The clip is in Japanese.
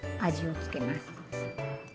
味をつけます。